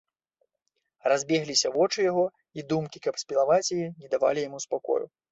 Разбегліся вочы яго, і думкі, каб спілаваць, яе, не давалі яму спакою.